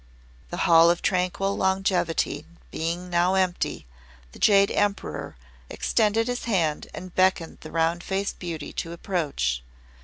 The Hall of Tranquil Longevity being now empty, the Jade Emperor extended his hand and beckoned the Round Faced Beauty to approach.